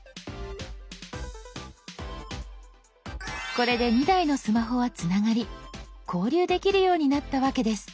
これで２台のスマホはつながり交流できるようになったわけです。